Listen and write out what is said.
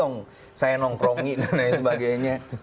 yang saya nongkrongi dan sebagainya